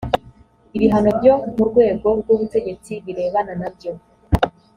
ibihano byo mu rwego rw ubutegetsi birebana nabyo